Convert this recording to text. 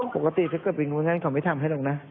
ปกติถ้าเกิดไปนู่นนั่นเขาไม่ทำให้หรอกนะ